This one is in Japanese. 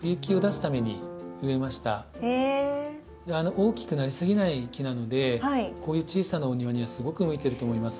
大きくなりすぎない木なのでこういう小さなお庭にはすごく向いてると思います。